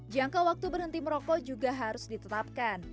jangka waktu berhenti merokok juga harus ditetapkan